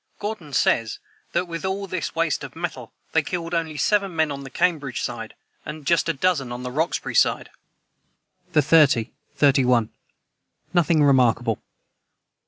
Gordon says that, with all this waste of metal, they "killed only seven men on the Cambridge side, and just a dozen on the Roxbury side."] the 30, 31. Nothing remarkable.